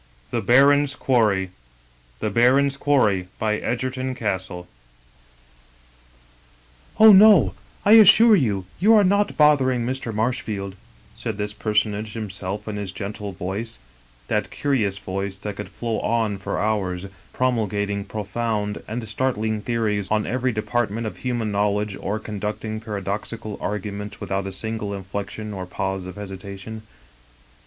"3 Egerton Castle The BarorCs Quarry *'QH, no, I assure you, you are not boring Mr. Marsh field," said this personage himself in his gentle voice — ^that curious voice that could flow on for hours, promul gating profound and startling theories on every department of human knowledge or conducting paradoxical arguments without a single inflection or pause of hesitation.